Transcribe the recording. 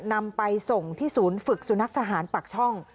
นำไปส่งที่ศูนย์ฝึกสุนัขทหารปากช่อง